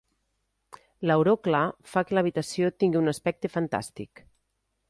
L'auró clar fa que l'habitació tingui un aspecte fantàstic.